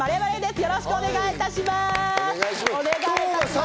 よろしくお願いします。